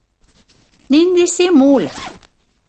¡Nin disimula!